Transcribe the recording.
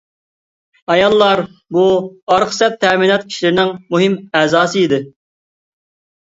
ئاياللار بۇ ئارقا سەپ تەمىنات ئىشلىرىنىڭ مۇھىم ئەزاسى ئىدى.